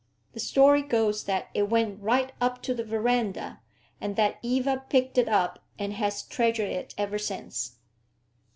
The story goes that it went right up to the verandah, and that Eva picked it up, and has treasured it ever since.